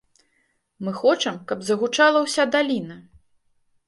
Мы хочам, каб загучала ўся даліна!